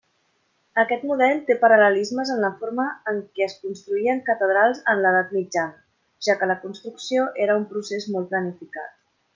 Aquest model té paral·lelismes en la forma en què es construïen catedrals en l'Edat Mitjana, ja que la construcció era un procés molt planificat.